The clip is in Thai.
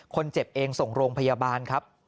คนเจ็บเองส่งโรงพยาบาลครับ